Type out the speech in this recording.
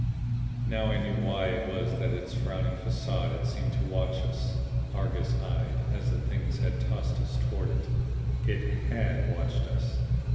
Now I knew why it was that its frowning facade had seemed to watch us Argus eyed as the Things had tossed us toward it. It HAD watched us!